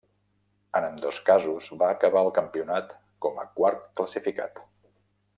En ambdós casos va acabar el campionat com a quart classificat.